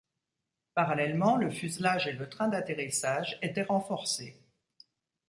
Parallèlement le fuselage et le train d'atterrissage étaient renforcés.